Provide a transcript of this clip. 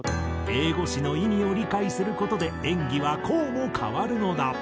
英語詞の意味を理解する事で演技はこうも変わるのだ。